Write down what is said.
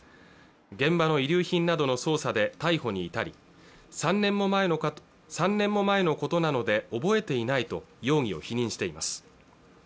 現場の遺留品などの捜査で逮捕に至り３年も前のことなので覚えていないと容疑を否認しています